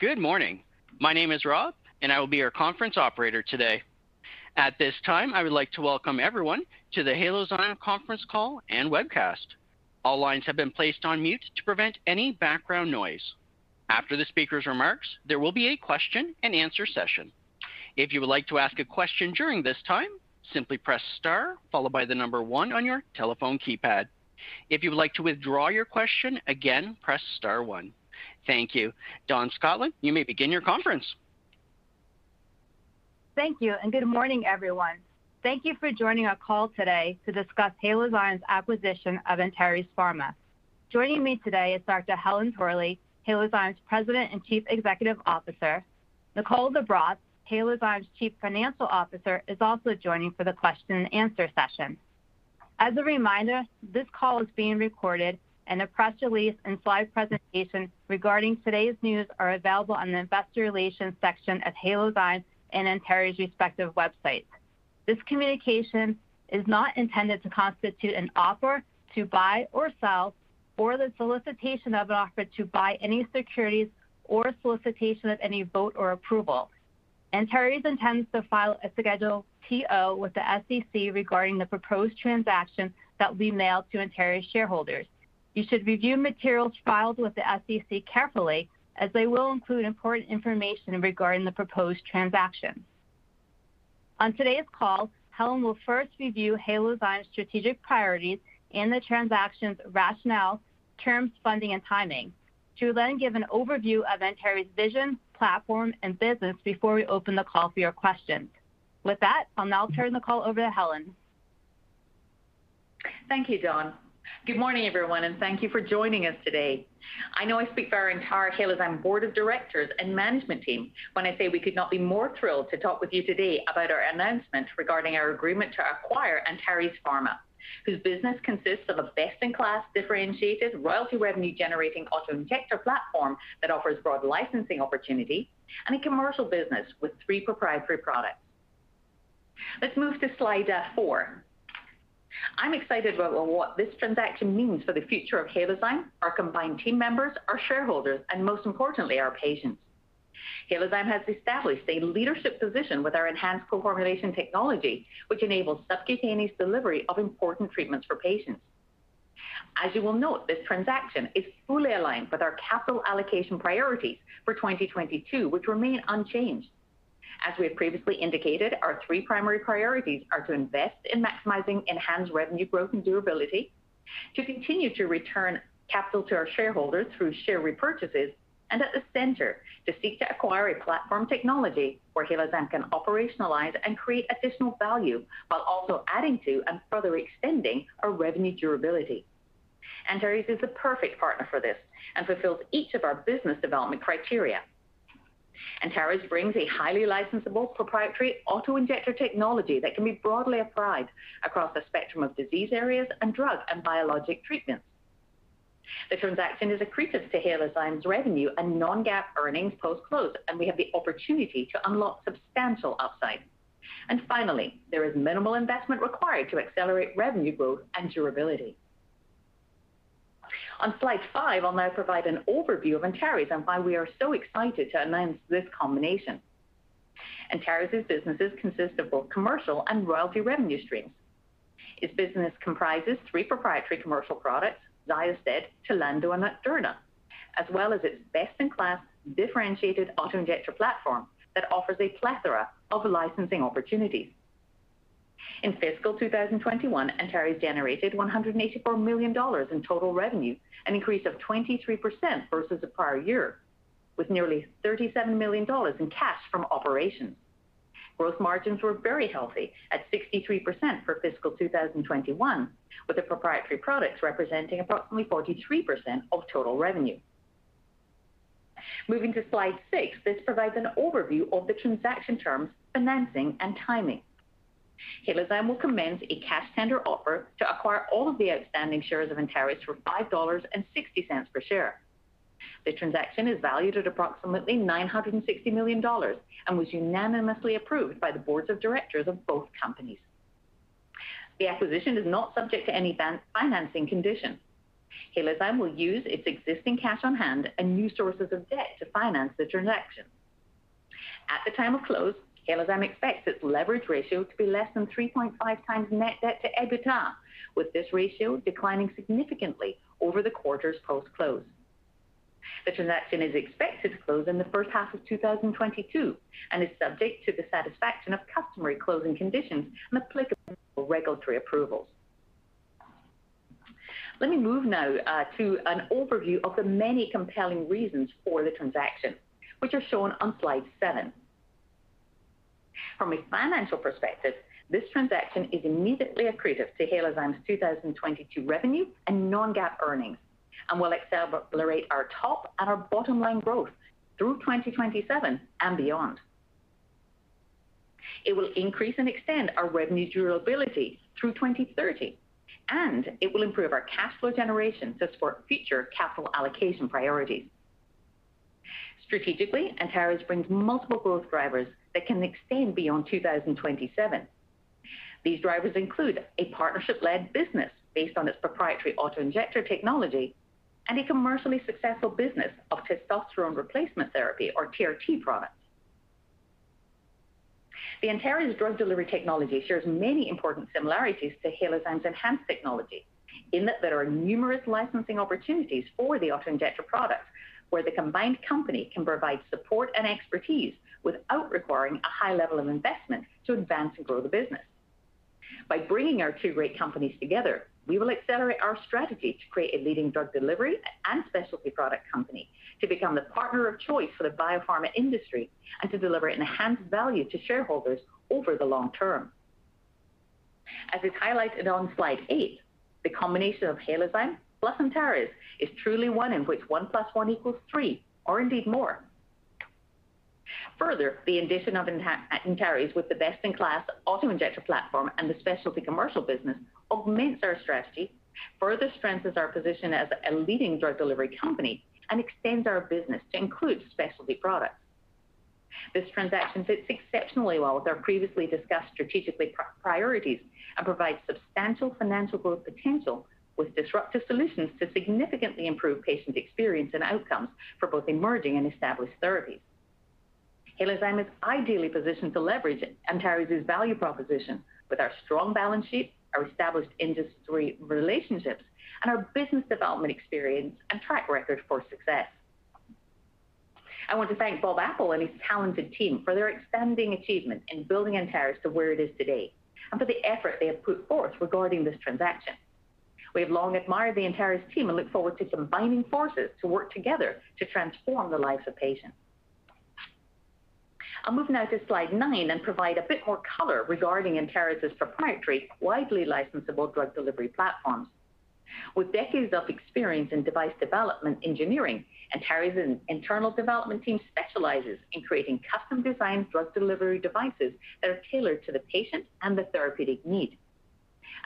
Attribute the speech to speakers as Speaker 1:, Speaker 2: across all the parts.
Speaker 1: Good morning. My name is Rob, and I will be your conference operator today. At this time, I would like to welcome everyone to the Halozyme conference call and webcast. All lines have been placed on mute to prevent any background noise. After the speaker's remarks, there will be a question-and-answer session. If you would like to ask a question during this time, simply press star followed by the number one on your telephone keypad. If you would like to withdraw your question, again, press star one. Thank you. Dawn Schottlandt, you may begin your conference.
Speaker 2: Thank you, and good morning, everyone. Thank you for joining our call today to discuss Halozyme's acquisition of Antares Pharma. Joining me today is Dr. Helen Torley, Halozyme's President and Chief Executive Officer. Nicole LaBrosse, Halozyme's Chief Financial Officer, is also joining for the question-and-answer session. As a reminder, this call is being recorded, and a press release and slide presentation regarding today's news are available on the investor relations section of Halozyme and Antares respective websites. This communication is not intended to constitute an offer to buy or sell, or the solicitation of an offer to buy any securities or solicitation of any vote or approval. Antares intends to file a Schedule TO with the SEC regarding the proposed transaction that will be mailed to Antares shareholders. You should review materials filed with the SEC carefully as they will include important information regarding the proposed transaction. On today's call, Helen will first review Halozyme's strategic priorities and the transaction's rationale, terms, funding, and timing. She will then give an overview of Antares' vision, platform, and business before we open the call for your questions. With that, I'll now turn the call over to Helen.
Speaker 3: Thank you, Dawn. Good morning, everyone, and thank you for joining us today. I know I speak for our entire Halozyme board of directors and management team when I say we could not be more thrilled to talk with you today about our announcement regarding our agreement to acquire Antares Pharma, whose business consists of a best-in-class, differentiated royalty revenue-generating auto-injector platform that offers broad licensing opportunity and a commercial business with three proprietary products. Let's move to slide 4. I'm excited about what this transaction means for the future of Halozyme, our combined team members, our shareholders, and most importantly, our patients. Halozyme has established a leadership position with our enhanced co-formulation technology, which enables subcutaneous delivery of important treatments for patients. As you will note, this transaction is fully aligned with our capital allocation priorities for 2022, which remain unchanged. As we have previously indicated, our three primary priorities are to invest in maximizing enhanced revenue growth and durability, to continue to return capital to our shareholders through share repurchases, and at the center, to seek to acquire a platform technology where Halozyme can operationalize and create additional value while also adding to and further extending our revenue durability. Antares is the perfect partner for this and fulfills each of our business development criteria. Antares brings a highly licensable proprietary auto-injector technology that can be broadly applied across a spectrum of disease areas and drug and biologic treatments. The transaction is accretive to Halozyme's revenue and non-GAAP earnings post-close, and we have the opportunity to unlock substantial upside. Finally, there is minimal investment required to accelerate revenue growth and durability. On slide five, I'll now provide an overview of Antares and why we are so excited to announce this combination. Antares' businesses consist of both commercial and royalty revenue streams. Its business comprises three proprietary commercial products, XYOSTED, TLANDO, and NOCDURNA, as well as its best-in-class differentiated auto-injector platform that offers a plethora of licensing opportunities. In fiscal 2021, Antares generated $184 million in total revenue, a 23% increase versus the prior year, with nearly $37 million in cash from operations. Gross margins were very healthy at 63% for fiscal 2021, with the proprietary products representing approximately 43% of total revenue. Moving to slide 6, this provides an overview of the transaction terms, financing, and timing. Halozyme will commence a cash tender offer to acquire all of the outstanding shares of Antares for $5.60 per share. The transaction is valued at approximately $960 million and was unanimously approved by the boards of directors of both companies. The acquisition is not subject to any financing conditions. Halozyme will use its existing cash on hand and new sources of debt to finance the transaction. At the time of close, Halozyme expects its leverage ratio to be less than 3.5 times net debt to EBITDA, with this ratio declining significantly over the quarters post-close. The transaction is expected to close in the first half of 2022 and is subject to the satisfaction of customary closing conditions and applicable regulatory approvals. Let me move now to an overview of the many compelling reasons for the transaction, which are shown on slide 7. From a financial perspective, this transaction is immediately accretive to Halozyme's 2022 revenue and non-GAAP earnings and will accelerate our top and our bottom-line growth through 2027 and beyond. It will increase and extend our revenue durability through 2030, and it will improve our cash flow generation to support future capital allocation priorities. Strategically, Antares brings multiple growth drivers that can extend beyond 2027. These drivers include a partnership-led business based on its proprietary auto-injector technology and a commercially successful business of Testosterone Replacement Therapy or TRT products. The Antares drug delivery technology shares many important similarities to Halozyme's enhanced technology in that there are numerous licensing opportunities for the auto-injector product, where the combined company can provide support and expertise without requiring a high level of investment to advance and grow the business. By bringing our two great companies together, we will accelerate our strategy to create a leading drug delivery and specialty product company to become the partner of choice for the biopharma industry and to deliver enhanced value to shareholders over the long term. As is highlighted on slide 8, the combination of Halozyme plus Antares is truly one in which 1 + 1 equals 3 or indeed more. Further, the addition of Antares with the best-in-class auto-injector platform and the specialty commercial business augments our strategy, further strengthens our position as a leading drug delivery company, and extends our business to include specialty products. This transaction fits exceptionally well with our previously discussed strategic priorities and provides substantial financial growth potential with disruptive solutions to significantly improve patient experience and outcomes for both emerging and established therapies. Halozyme is ideally positioned to leverage Antares' value proposition with our strong balance sheet, our established industry relationships, and our business development experience and track record for success. I want to thank Bob Apple and his talented team for their outstanding achievement in building Antares to where it is today and for the effort they have put forth regarding this transaction. We have long admired the Antares team and look forward to combining forces to work together to transform the lives of patients. I'll move now to slide 9 and provide a bit more color regarding Antares' proprietary, widely licensable drug delivery platforms. With decades of experience in device development engineering, Antares' in-house development team specializes in creating custom-designed drug delivery devices that are tailored to the patient and the therapeutic need.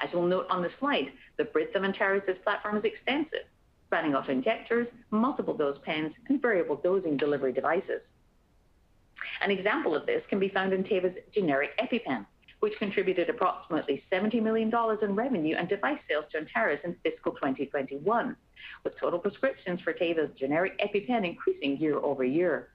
Speaker 3: As you'll note on the slide, the breadth of Antares' platform is extensive, spanning auto-injectors, multiple dose pens, and variable dosing delivery devices. An example of this can be found in Teva's generic EpiPen, which contributed approximately $70 million in revenue and device sales to Antares in fiscal 2021, with total prescriptions for Teva's generic EpiPen increasing year-over-year.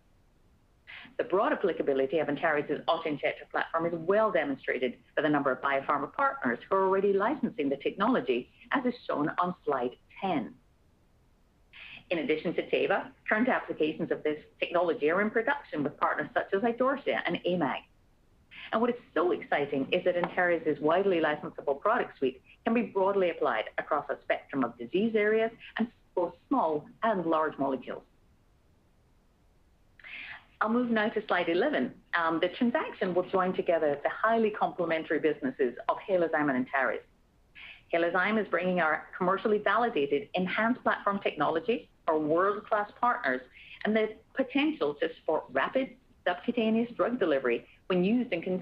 Speaker 3: The broad applicability of Antares' auto-injector platform is well demonstrated by the number of biopharma partners who are already licensing the technology, as is shown on slide 10. In addition to Teva, current applications of this technology are in production with partners such as Idorsia and AMAG. What is so exciting is that Antares' widely licensable product suite can be broadly applied across a spectrum of disease areas and for small and large molecules. I'll move now to slide 11. The transaction will join together the highly complementary businesses of Halozyme and Antares. Halozyme is bringing our commercially validated, enhanced platform technology, our world-class partners, and the potential to support rapid subcutaneous drug delivery when used in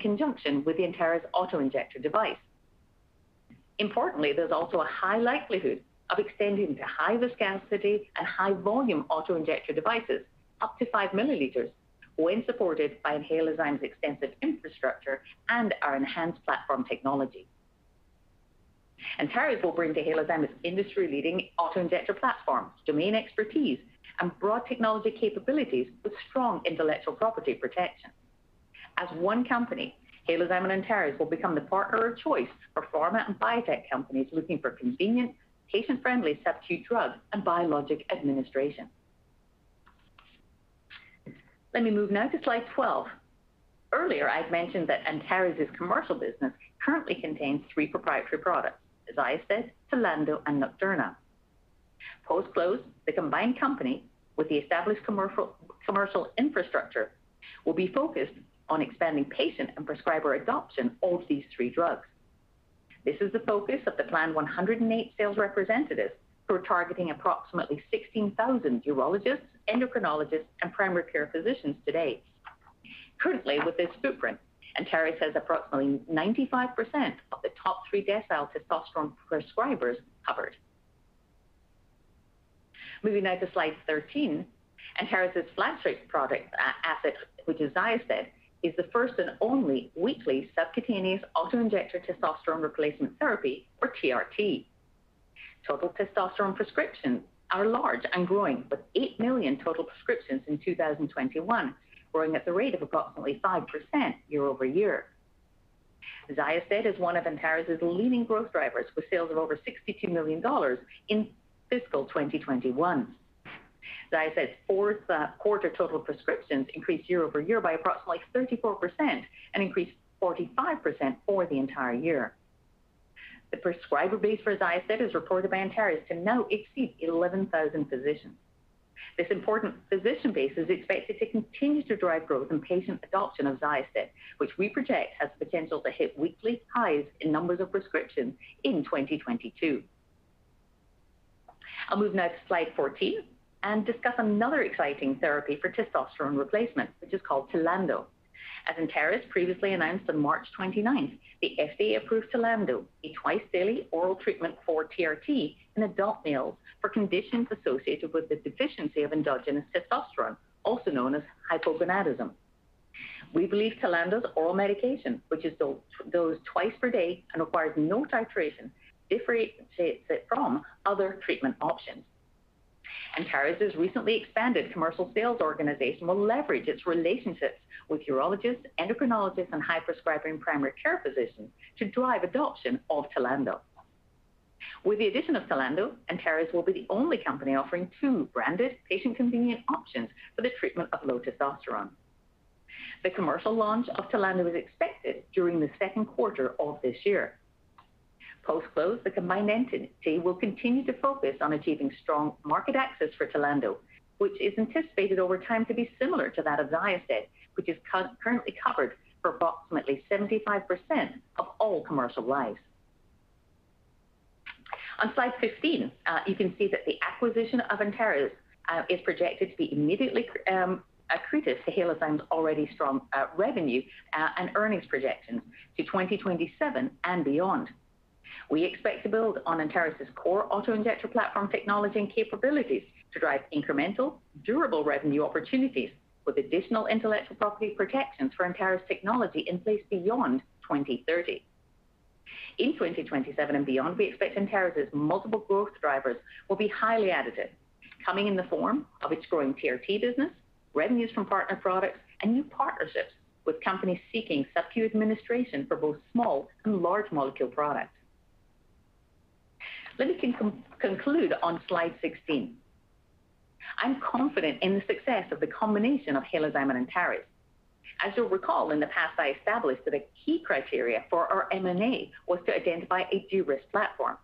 Speaker 3: conjunction with the Antares auto-injector device. Importantly, there's also a high likelihood of extending to high viscosity and high volume auto-injector devices up to 5 mL when supported by Halozyme's extensive infrastructure and our enhanced platform technology. Antares will bring to Halozyme its industry-leading auto-injector platforms, domain expertise, and broad technology capabilities with strong intellectual property protection. As one company, Halozyme and Antares will become the partner of choice for pharma and biotech companies looking for convenient, patient-friendly subcutaneous drug and biologic administration. Let me move now to slide 12. Earlier, I'd mentioned that Antares' commercial business currently contains three proprietary products, XYOSTED, TLANDO, and NOCDURNA. Post-close, the combined company with the established commercial infrastructure will be focused on expanding patient and prescriber adoption of these three drugs. This is the focus of the planned 108 sales representatives who are targeting approximately 16,000 urologists, endocrinologists, and primary care physicians today. Currently with this footprint, Antares has approximately 95% of the top three decile testosterone prescribers covered. Moving now to slide 13. Antares' flagship product, asset, which is XYOSTED, is the first and only weekly subcutaneous auto-injector testosterone replacement therapy or TRT. Total testosterone prescriptions are large and growing, with 8 million total prescriptions in 2021, growing at the rate of approximately 5% year-over-year. XYOSTED is one of Antares' leading growth drivers, with sales of over $62 million in fiscal 2021. XYOSTED fourth quarter total prescriptions increased year-over-year by approximately 34% and increased 45% for the entire year. The prescriber base for XYOSTED is reported by Antares to now exceed 11,000 physicians. This important physician base is expected to continue to drive growth in patient adoption of XYOSTED, which we project has the potential to hit weekly highs in numbers of prescriptions in 2022. I'll move now to slide 14 and discuss another exciting therapy for testosterone replacement, which is called TLANDO. As Antares previously announced on March 29, the FDA approved TLANDO, a twice-daily oral treatment for TRT in adult males for conditions associated with the deficiency of endogenous testosterone, also known as hypogonadism. We believe TLANDO's oral medication, which is dosed twice per day and requires no titration, differentiates it from other treatment options. Antares' recently expanded commercial sales organization will leverage its relationships with urologists, endocrinologists, and high-prescribing primary care physicians to drive adoption of TLANDO. With the addition of TLANDO, Antares will be the only company offering two branded patient-convenient options for the treatment of low testosterone. The commercial launch of TLANDO is expected during the second quarter of this year. Post-close, the combined entity will continue to focus on achieving strong market access for TLANDO, which is anticipated over time to be similar to that of XYOSTED, which is currently covered for approximately 75% of all commercial lives. On slide 15, you can see that the acquisition of Antares is projected to be immediately accretive to Halozyme's already strong revenue and earnings projection to 2027 and beyond. We expect to build on Antares' core auto-injector platform technology and capabilities to drive incremental, durable revenue opportunities with additional intellectual property protections for Antares technology in place beyond 2030. In 2027 and beyond, we expect Antares' multiple growth drivers will be highly additive, coming in the form of its growing TRT business, revenues from partner products, and new partnerships with companies seeking subcutaneous administration for both small and large molecule products. Let me conclude on slide 16. I'm confident in the success of the combination of Halozyme and Antares. As you'll recall, in the past, I established that a key criteria for our M&A was to identify a de-risk platform.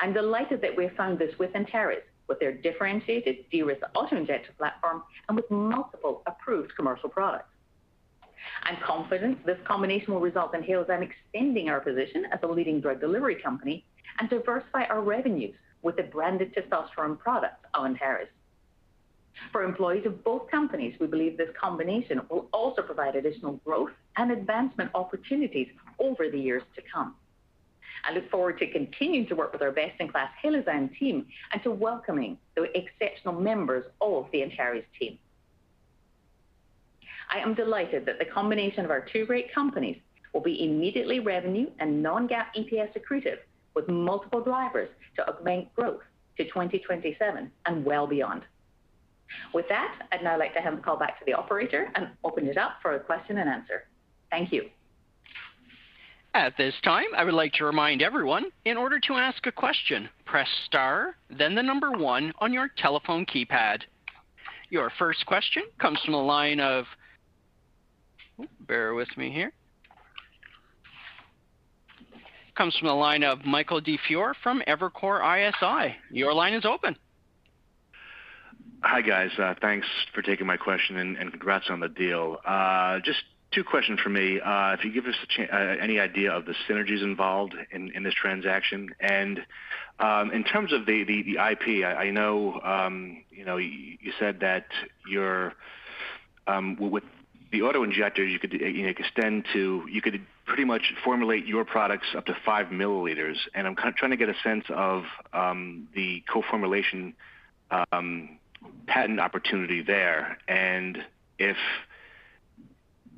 Speaker 3: I'm delighted that we have found this with Antares, with their differentiated de-risk auto-injector platform and with multiple approved commercial products. I'm confident this combination will result in Halozyme extending our position as a leading drug delivery company and diversify our revenues with the branded testosterone products of Antares. For employees of both companies, we believe this combination will also provide additional growth and advancement opportunities over the years to come. I look forward to continuing to work with our best-in-class Halozyme team and to welcoming the exceptional members of the Antares team. I am delighted that the combination of our two great companies will be immediately revenue and non-GAAP EPS accretive, with multiple drivers to augment growth to 2027 and well beyond. With that, I'd now like to hand the call back to the operator and open it up for a question and answer. Thank you.
Speaker 1: At this time, I would like to remind everyone, in order to ask a question, press star then 1 on your telephone keypad. Your first question comes from the line of Michael DiFiore from Evercore ISI. Your line is open.
Speaker 4: Hi, guys. Thanks for taking my question and congrats on the deal. Just two questions from me. If you give us any idea of the synergies involved in this transaction. In terms of the IP, I know, you know, you said that your with the auto-injector, you could, you know, pretty much formulate your products up to 5 mL. I'm trying to get a sense of the co-formulation patent opportunity there. If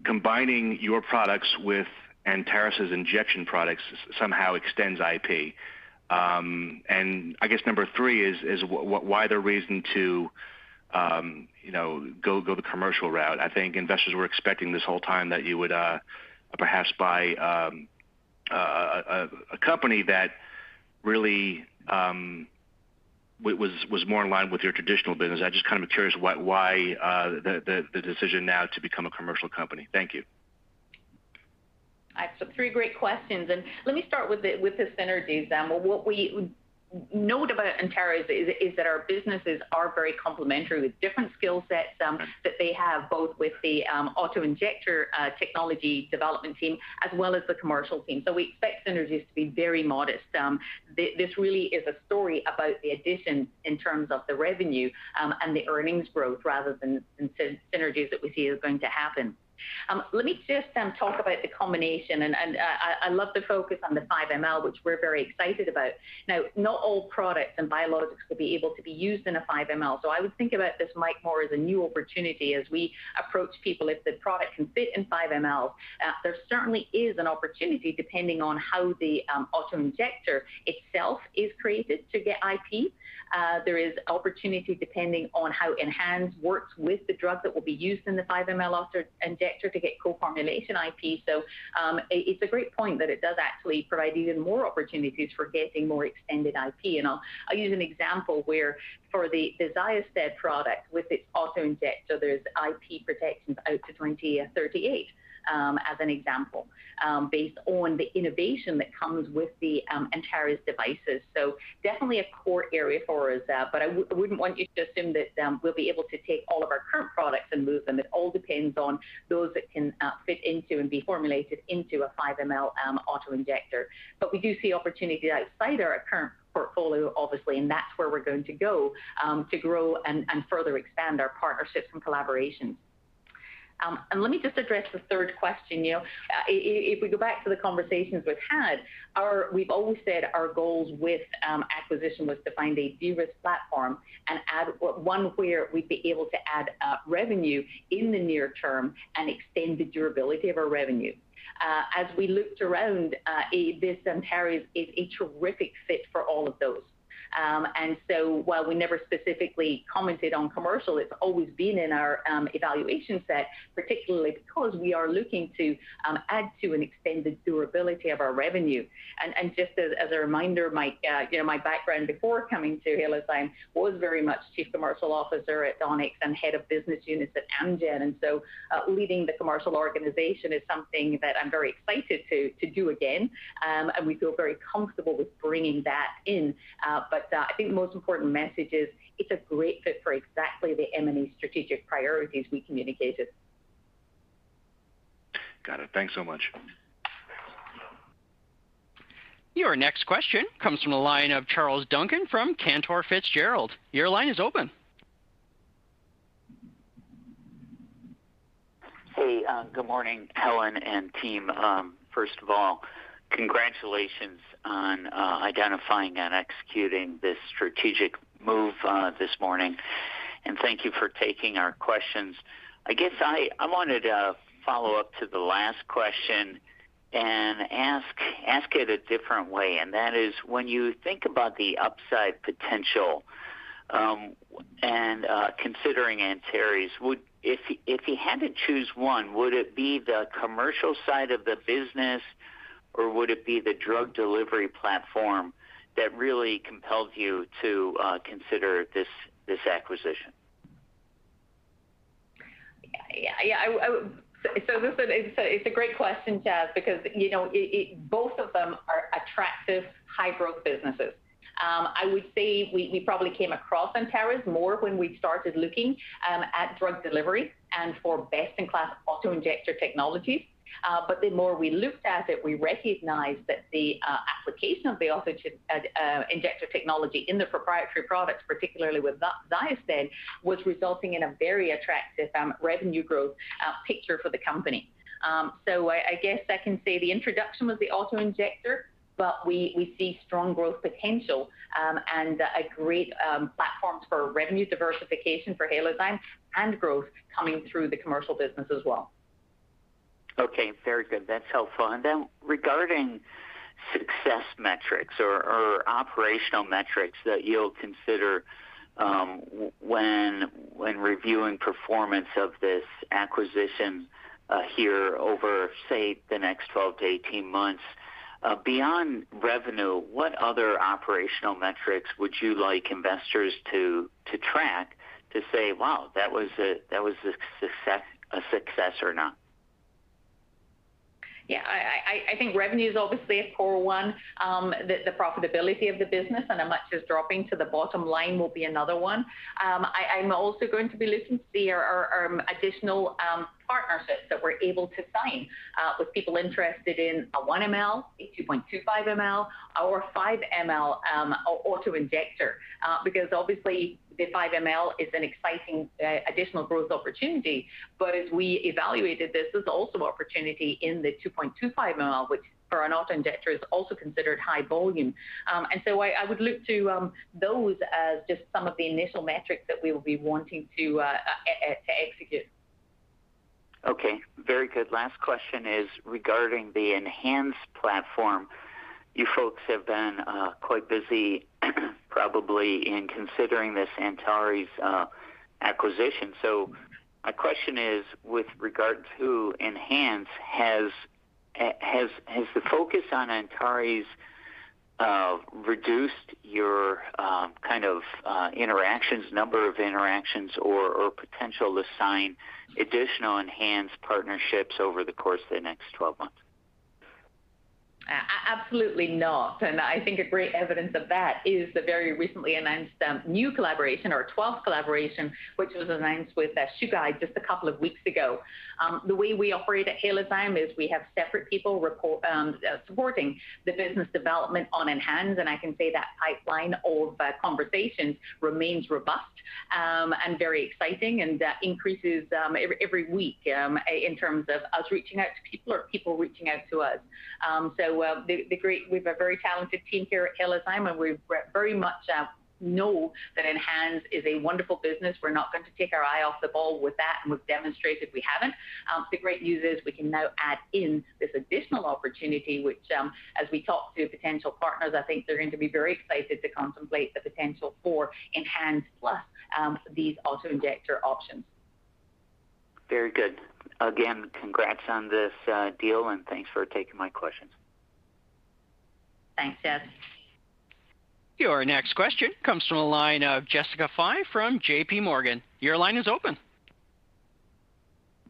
Speaker 4: combining your products with Antares' injection products somehow extends IP. I guess number 3 is why the reason to, you know, go the commercial route? I think investors were expecting this whole time that you would perhaps buy a company that really was more in line with your traditional business. I'm just kind of curious why the decision now to become a commercial company. Thank you.
Speaker 3: I have three great questions, let me start with the synergies. What we know about Antares is that our businesses are very complementary with different skill sets that they have both with the auto-injector technology development team as well as the commercial team. We expect synergies to be very modest. This really is a story about the addition in terms of the revenue and the earnings growth rather than synergies that we see are going to happen. Let me just talk about the combination and I love the focus on the 5 mL, which we're very excited about. Now, not all products and biologics will be able to be used in a 5 mL. I would think about this, Mike, more as a new opportunity as we approach people if the product can fit in 5 mL. There certainly is an opportunity, depending on how the auto-injector itself is created to get IP. There is opportunity depending on how ENHANZE works with the drug that will be used in the 5 mL auto-injector to get co-formulation IP. It is a great point that it does actually provide even more opportunities for getting more extended IP. I'll use an example where for the XYOSTED product with its auto-injector, there's IP protections out to 2038, as an example, based on the innovation that comes with the Antares devices. Definitely a core area for us, but I wouldn't want you to assume that we'll be able to take all of our current products and move them. It all depends on those that can fit into and be formulated into a 5 mL auto-injector. We do see opportunity outside our current portfolio, obviously, and that's where we're going to go to grow and further expand our partnerships and collaborations. Let me just address the third question, Neil. If we go back to the conversations we've had, we've always said our goals with acquisition was to find a de-risk platform and one where we'd be able to add revenue in the near term and extend the durability of our revenue. As we looked around, this Antares is a terrific fit for all of those. While we never specifically commented on commercial, it's always been in our evaluation set, particularly because we are looking to add to and extend the durability of our revenue. Just as a reminder, you know, my background before coming to Halozyme was very much Chief Commercial Officer at Onyx and Head of Business Units at Amgen. Leading the commercial organization is something that I'm very excited to do again. We feel very comfortable with bringing that in. I think the most important message is it's a great fit for exactly the M&A strategic priorities we communicated.
Speaker 4: Got it. Thanks so much.
Speaker 1: Your next question comes from the line of Charles Duncan from Cantor Fitzgerald. Your line is open.
Speaker 5: Hey, good morning, Helen and team. First of all, congratulations on identifying and executing this strategic move this morning. Thank you for taking our questions. I guess I wanted to follow up to the last question and ask it a different way. That is when you think about the upside potential and considering Antares, would if you had to choose one, would it be the commercial side of the business, or would it be the drug delivery platform that really compelled you to consider this acquisition?
Speaker 3: This is a great question, Charles, because you know both of them are attractive high-growth businesses. I would say we probably came across Antares more when we started looking at drug delivery and for best-in-class auto-injector technologies. But the more we looked at it, we recognized that the application of the auto-injector technology in the proprietary products, particularly with XYOSTED, was resulting in a very attractive revenue growth picture for the company. I guess I can say the introduction was the auto-injector, but we see strong growth potential and a great platform for revenue diversification for Halozyme and growth coming through the commercial business as well.
Speaker 5: Okay, very good. That's helpful. Regarding success metrics or operational metrics that you'll consider when reviewing performance of this acquisition over, say, the next 12-18 months, beyond revenue, what other operational metrics would you like investors to track to say, "Wow, that was a success or not?
Speaker 3: Yeah. I think revenue is obviously a core one. The profitability of the business and how much is dropping to the bottom line will be another one. I'm also going to be listening to see our additional partnerships that we're able to sign with people interested in a 1 mL, a 2.25 mL, or a 5 mL auto-injector. Because obviously the 5 mL is an exciting additional growth opportunity. As we evaluated this, there's also opportunity in the 2.25 mL, which for an auto-injector is also considered high volume. I would look to those as just some of the initial metrics that we will be wanting to execute.
Speaker 5: Okay. Very good. Last question is regarding the ENHANZE platform. You folks have been quite busy probably in considering this Antares acquisition. My question is with regard to ENHANZE, has the focus on Antares reduced your kind of interactions, number of interactions or potential to sign additional ENHANZE partnerships over the course of the next 12 months?
Speaker 3: Absolutely not. I think a great evidence of that is the very recently announced new collaboration or twelfth collaboration, which was announced with Chugai just a couple of weeks ago. The way we operate at Halozyme is we have separate people supporting the business development on ENHANZE, and I can say that pipeline of conversations remains robust and very exciting, and that increases every week in terms of us reaching out to people or people reaching out to us. We've a very talented team here at Halozyme, and we very much know that ENHANZE is a wonderful business. We're not going to take our eye off the ball with that, and we've demonstrated we haven't. The great news is we can now add in this additional opportunity, which, as we talk to potential partners, I think they're going to be very excited to contemplate the potential for ENHANZE plus these auto-injector options.
Speaker 5: Very good. Again, congrats on this, deal, and thanks for taking my questions.
Speaker 3: Thanks, Charles.
Speaker 1: Your next question comes from the line of Jessica Fye from J.P. Morgan. Your line is open.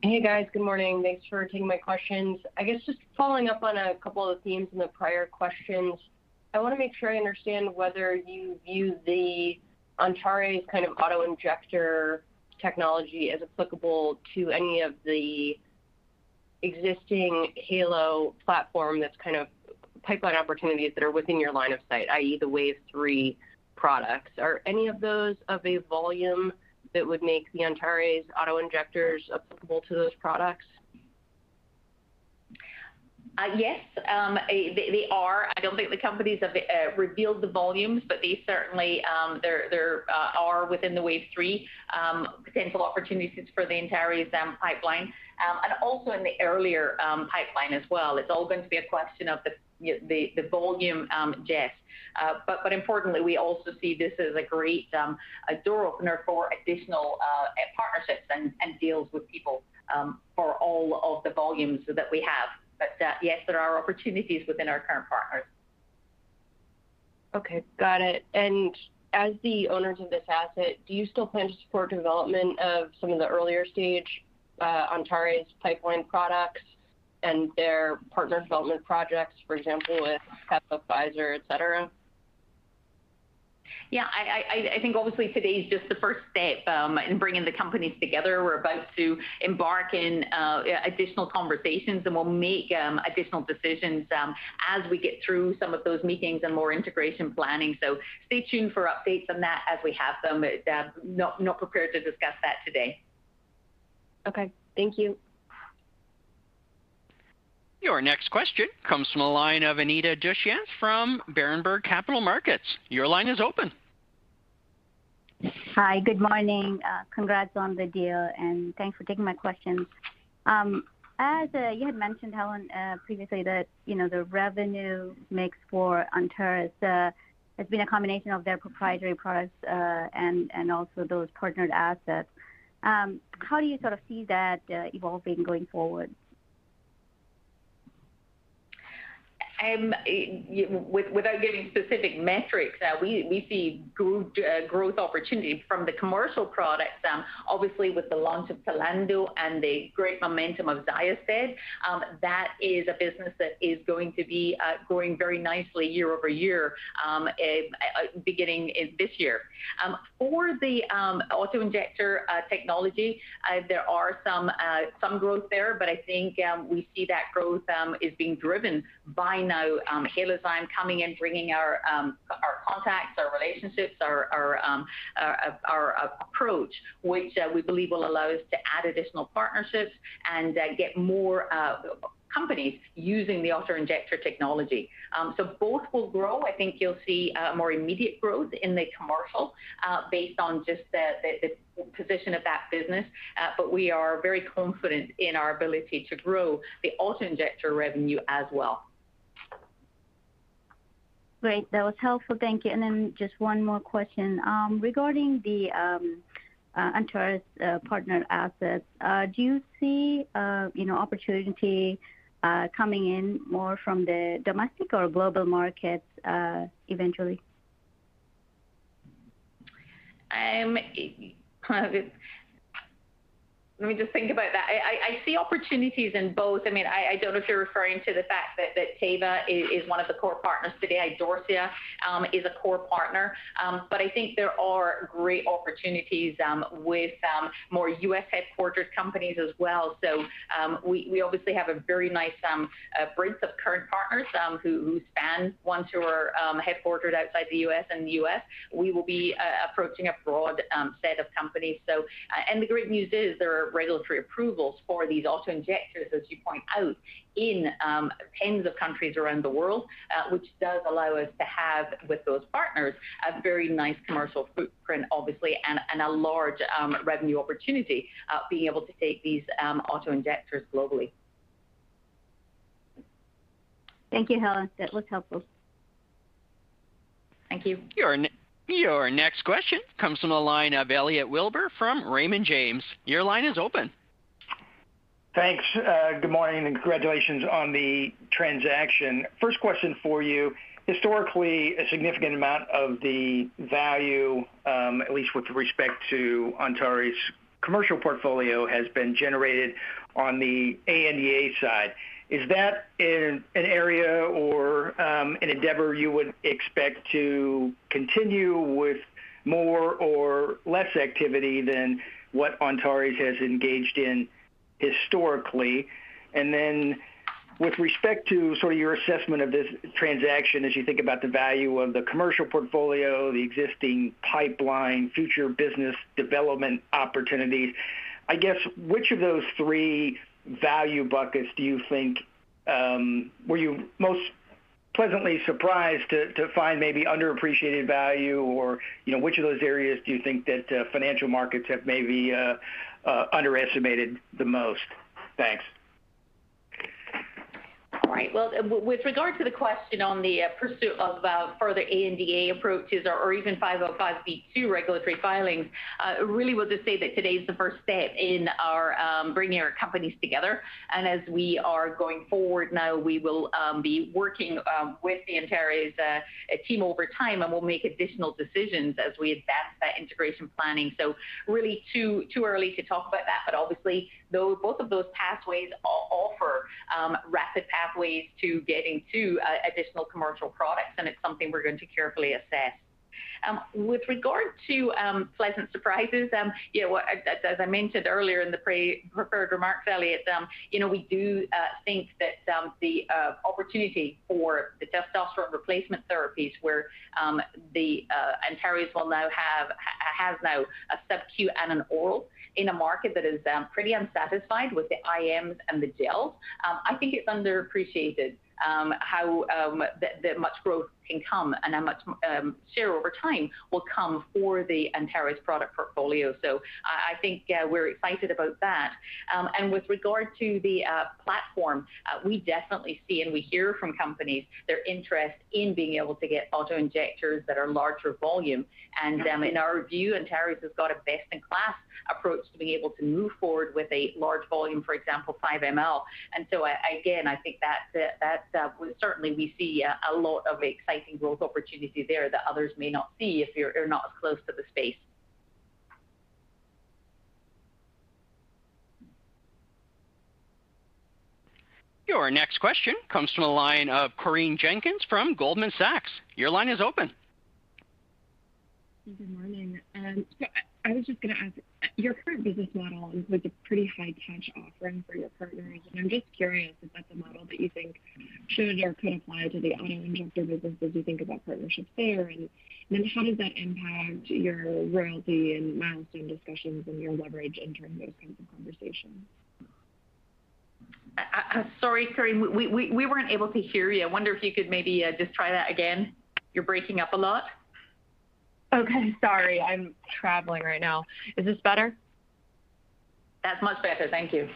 Speaker 6: Hey, guys. Good morning. Thanks for taking my questions. I guess just following up on a couple of themes in the prior questions, I wanna make sure I understand whether you view the Antares kind of auto-injector technology as applicable to any of the Existing Halozyme platform that's kind of pipeline opportunities that are within your line of sight, i.e., the Wave three products. Are any of those of a volume that would make the Antares' auto-injectors applicable to those products?
Speaker 3: Yes, they are. I don't think the companies have revealed the volumes, but there certainly are within the Wave three potential opportunities for the Antares pipeline, and also in the earlier pipeline as well. It's all going to be a question of the volume, Jessica. Importantly, we also see this as a great door opener for additional partnerships and deals with people for all of the volumes that we have. Yes, there are opportunities within our current partners.
Speaker 6: Okay. Got it. As the owners of this asset, do you still plan to support development of some of the earlier stage, Antares pipeline products and their partner development projects, for example, with Teva, Pfizer, et cetera?
Speaker 3: Yeah, I think obviously today is just the first step in bringing the companies together. We're about to embark in additional conversations, and we'll make additional decisions as we get through some of those meetings and more integration planning. Stay tuned for updates on that as we have them. Not prepared to discuss that today.
Speaker 6: Okay. Thank you.
Speaker 1: Your next question comes from the line of Anita Dushyanth from Berenberg Capital Markets. Your line is open.
Speaker 7: Hi. Good morning. Congrats on the deal, and thanks for taking my questions. As you had mentioned, Helen, previously, that you know the revenue mix for Antares has been a combination of their proprietary products and also those partnered assets. How do you sort of see that evolving going forward?
Speaker 3: Without giving specific metrics, we see good growth opportunity from the commercial products, obviously with the launch of TLANDO and the great momentum of XYOSTED. That is a business that is going to be growing very nicely year-over-year, beginning this year. For the auto-injector technology, there are some growth there, but I think we see that growth is being driven by now Halozyme coming in, bringing our contacts, our relationships, our approach, which we believe will allow us to add additional partnerships and get more companies using the auto-injector technology. So both will grow. I think you'll see more immediate growth in the commercial based on just the position of that business. We are very confident in our ability to grow the auto-injector revenue as well.
Speaker 7: Great. That was helpful. Thank you. Just one more question. Regarding the Antares partner assets, do you see, you know, opportunity coming in more from the domestic or global markets eventually?
Speaker 3: Let me just think about that. I see opportunities in both. I mean, I don't know if you're referring to the fact that Teva is one of the core partners today. Idorsia is a core partner. I think there are great opportunities with more U.S.-headquartered companies as well. We obviously have a very nice breadth of current partners who span ones who are headquartered outside the U.S. and the U.S. We will be approaching a broad set of companies. The great news is there are regulatory approvals for these auto-injectors, as you point out, in tens of countries around the world, which does allow us to have with those partners a very nice commercial footprint, obviously, and a large revenue opportunity, being able to take these auto-injectors globally.
Speaker 7: Thank you, Helen. That was helpful.
Speaker 3: Thank you.
Speaker 1: Your next question comes from the line of Elliot Wilbur from Raymond James. Your line is open.
Speaker 8: Thanks. Good morning and congratulations on the transaction. First question for you. Historically, a significant amount of the value, at least with respect to Antares commercial portfolio, has been generated on the ANDA side. Is that an area or an endeavor you would expect to continue with more or less activity than what Antares has engaged in historically? With respect to sort of your assessment of this transaction as you think about the value of the commercial portfolio, the existing pipeline, future business development opportunities, I guess, which of those three value buckets do you think were you most pleasantly surprised to find maybe underappreciated value or, you know, which of those areas do you think that financial markets have maybe underestimated the most? Thanks.
Speaker 3: All right. Well, with regard to the question on the pursuit of further ANDA approaches or even 505(b)(2) regulatory filings, really would just say that today is the first step in our bringing our companies together. As we are going forward now, we will be working with the Antares team over time, and we'll make additional decisions as we advance that integration planning. Really too early to talk about that. Obviously, both of those pathways offer rapid pathways to getting two additional commercial products, and it's something we're going to carefully assess. With regard to pleasant surprises, you know, as I mentioned earlier in the prepared remarks, Elliot, you know, we do think that the opportunity for the testosterone replacement therapies where the Antares has now a sub-Q and an oral in a market that is pretty unsatisfied with the IMs and the gels. I think it's underappreciated how that much growth can come and how much share over time will come for the Antares product portfolio. I think we're excited about that. With regard to the platform, we definitely see and we hear from companies their interest in being able to get auto-injectors that are larger volume. In our view, Antares has got a best-in-class approach to being able to move forward with a large volume, for example, 5 mL. Again, I think certainly we see a lot of exciting growth opportunity there that others may not see if you're not as close to the space.
Speaker 1: Your next question comes from the line of Corinne Jenkins from Goldman Sachs. Your line is open.
Speaker 9: Good morning. I was just gonna ask, your current business model is with a pretty high-touch offering for your partners, and I'm just curious if that's a model that you think should or could apply to the auto-injector business as you think about partnerships there, and then how does that impact your royalty and milestone discussions and your leverage entering those kinds of conversations?
Speaker 3: Sorry, Corinne. We weren't able to hear you. I wonder if you could maybe just try that again. You're breaking up a lot.
Speaker 9: Okay, sorry. I'm traveling right now. Is this better?
Speaker 3: That's much better. Thank you.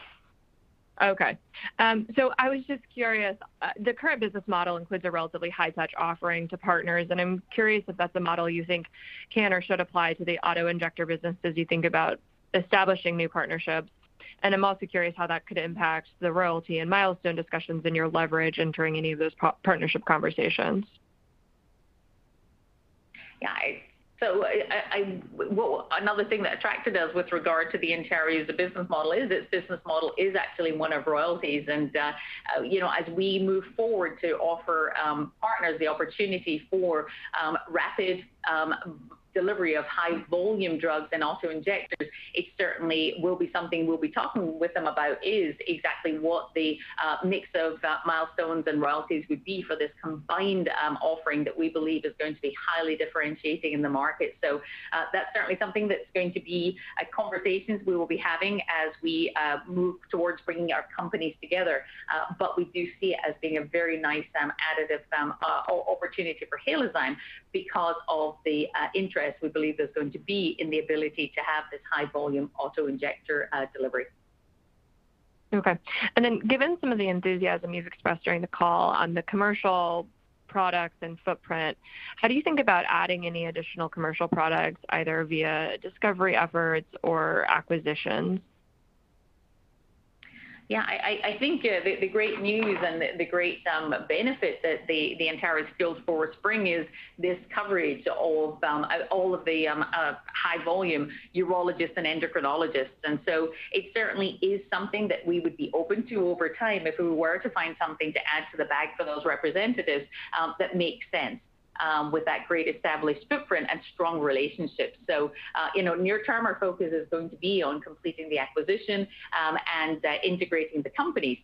Speaker 9: Okay. I was just curious. The current business model includes a relatively high-touch offering to partners, and I'm curious if that's a model you think can or should apply to the auto-injector business as you think about establishing new partnerships. I'm also curious how that could impact the royalty and milestone discussions and your leverage entering any of those partnership conversations?
Speaker 3: Well, another thing that attracted us with regard to Antares, the business model, is its business model is actually one of royalties. You know, as we move forward to offer partners the opportunity for rapid delivery of high volume drugs and auto-injectors, it certainly will be something we'll be talking with them about is exactly what the mix of milestones and royalties would be for this combined offering that we believe is going to be highly differentiating in the market. That's certainly something that's going to be conversations we will be having as we move towards bringing our companies together. We do see it as being a very nice additive opportunity for Halozyme because of the interest we believe there's going to be in the ability to have this high volume auto-injector delivery.
Speaker 9: Okay. Given some of the enthusiasm you've expressed during the call on the commercial products and footprint, how do you think about adding any additional commercial products either via discovery efforts or acquisitions?
Speaker 3: Yeah, I think the great news and the great benefit that the Antares sales force bring is this coverage of all of the high volume urologists and endocrinologists. It certainly is something that we would be open to over time if we were to find something to add to the bag for those representatives that make sense with that great established footprint and strong relationships. You know, near term, our focus is going to be on completing the acquisition and integrating the companies.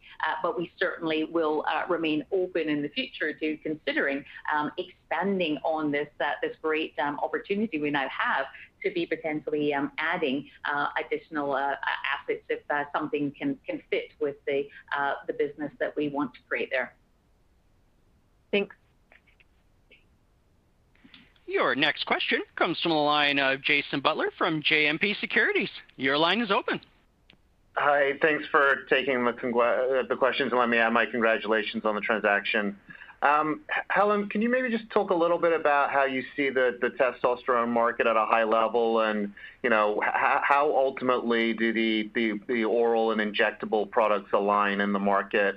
Speaker 3: We certainly will remain open in the future to considering expanding on this great opportunity we now have to be potentially adding additional assets if something can fit with the business that we want to create there.
Speaker 9: Thanks.
Speaker 1: Your next question comes from the line of Jason Butler from JMP Securities. Your line is open.
Speaker 10: Hi. Thanks for taking the questions, and let me add my congratulations on the transaction. Helen, can you maybe just talk a little bit about how you see the testosterone market at a high level? You know, how ultimately do the oral and injectable products align in the market?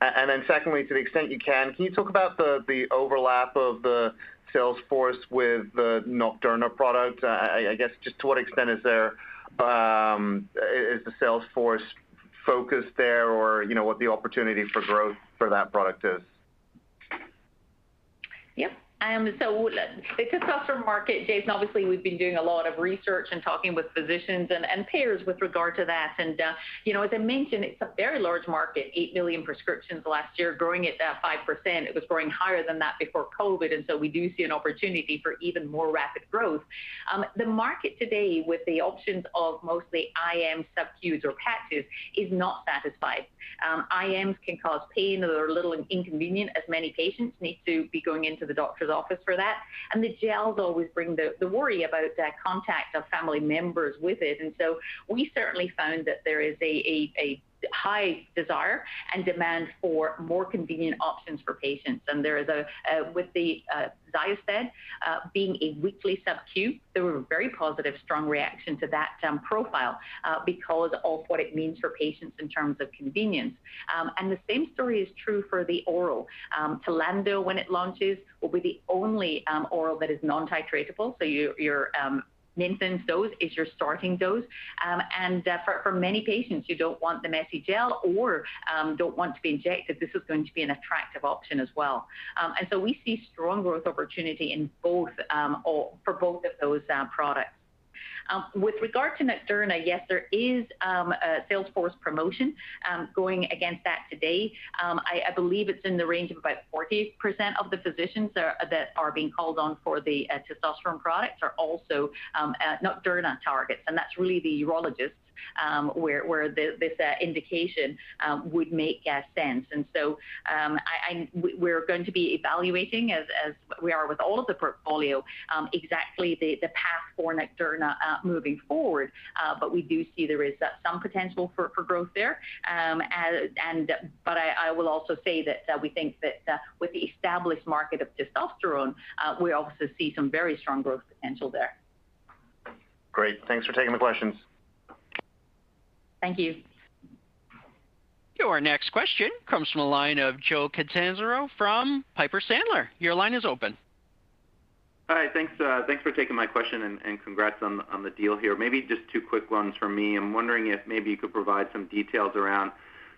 Speaker 10: Then secondly, to the extent you can you talk about the overlap of the sales force with the NOCDURNA product? I guess just to what extent is the sales force focused there or, you know, what the opportunity for growth for that product is?
Speaker 3: The testosterone market, Jason, obviously we've been doing a lot of research and talking with physicians and payers with regard to that. You know, as I mentioned, it's a very large market, 8 million prescriptions last year, growing at 5%. It was growing higher than that before COVID, and we do see an opportunity for even more rapid growth. The market today with the options of mostly IM, sub-Q, or patches is not satisfied. IMs can cause pain. They're a little inconvenient as many patients need to be going into the doctor's office for that. The gels always bring the worry about the contact of family members with it. We certainly found that there is a high desire and demand for more convenient options for patients. With the XYOSTED being a weekly sub-Q, there were very positive strong reaction to that profile because of what it means for patients in terms of convenience. The same story is true for the oral. TLANDO, when it launches, will be the only oral that is non-titratable. Your maintenance dose is your starting dose. For many patients who don't want the messy gel or don't want to be injected, this is going to be an attractive option as well. We see strong growth opportunity for both of those products. With regard to NOCDURNA, yes, there is a sales force promotion going against that today. I believe it's in the range of about 40% of the physicians that are being called on for the testosterone products are also NOCDURNA targets, and that's really the urologists where this indication would make sense. We're going to be evaluating as we are with all of the portfolio exactly the path for NOCDURNA moving forward. We do see there is some potential for growth there. I will also say that we think that with the established market of testosterone we also see some very strong growth potential there.
Speaker 10: Great. Thanks for taking the questions.
Speaker 3: Thank you.
Speaker 1: Your next question comes from the line of Joseph Catanzaro from Piper Sandler. Your line is open.
Speaker 11: Hi. Thanks for taking my question and congrats on the deal here. Maybe just two quick ones from me. I'm wondering if maybe you could provide some details around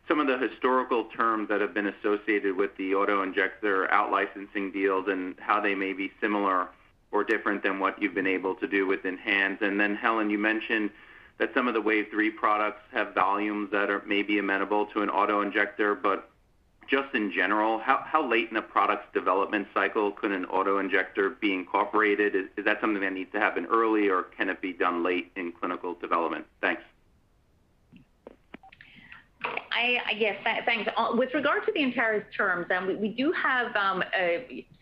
Speaker 11: some of the historical terms that have been associated with the auto-injector out-licensing deals and how they may be similar or different than what you've been able to do with ENHANZE. Helen, you mentioned that some of the Wave 3 products have volumes that are maybe amenable to an auto-injector, but just in general, how late in a product development cycle could an auto-injector be incorporated? Is that something that needs to happen early, or can it be done late in clinical development? Thanks.
Speaker 3: Yes. Thanks. With regard to the ENHANZE terms, we do have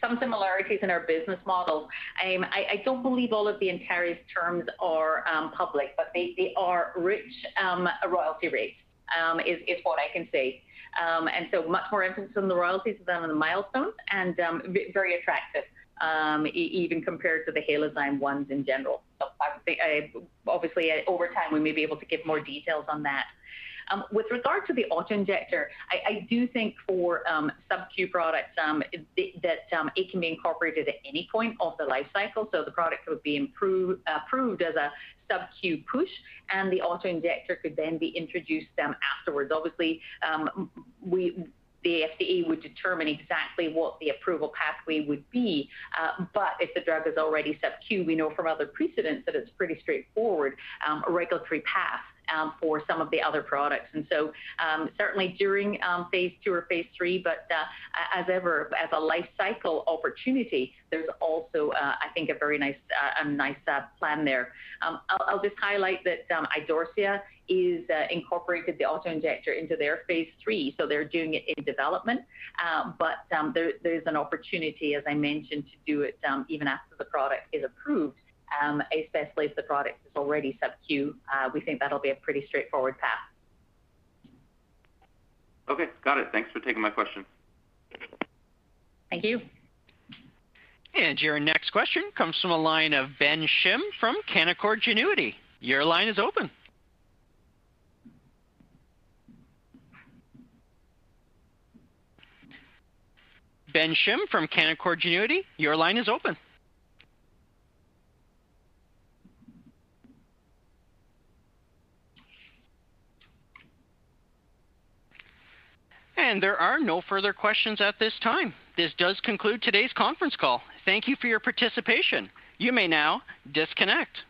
Speaker 3: some similarities in our business models. I don't believe all of the ENHANZE terms are public, but they are rich royalty rates is what I can say. And so much more emphasis on the royalties than on the milestones and very attractive even compared to the Halozyme ones in general. I would say. Obviously, over time, we may be able to give more details on that. With regard to the auto-injector, I do think for sub-Q products, that it can be incorporated at any point of the life cycle, so the product would be approved as a sub-Q push, and the auto-injector could then be introduced afterwards. Obviously, the FDA would determine exactly what the approval pathway would be. If the drug is already sub-Q, we know from other precedents that it's pretty straightforward regulatory path for some of the other products. Certainly during phase II or phase III, as ever, as a lifecycle opportunity, there's also I think a very nice plan there. I'll just highlight that Idorsia is incorporated the auto-injector into their phase III, so they're doing it in development. There is an opportunity, as I mentioned, to do it even after the product is approved, especially if the product is already sub-Q. We think that'll be a pretty straightforward path.
Speaker 11: Okay. Got it. Thanks for taking my question.
Speaker 3: Thank you.
Speaker 1: Your next question comes from a line of Benedict Shim from Canaccord Genuity. Your line is open. Benedict Shim from Canaccord Genuity, your line is open. There are no further questions at this time. This does conclude today's conference call. Thank you for your participation. You may now disconnect.